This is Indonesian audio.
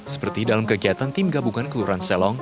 seperti dalam kegiatan tim gabungan kelurahan selong